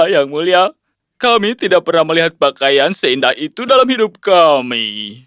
yang mulia kami tidak pernah melihat pakaian seindah itu dalam hidup kami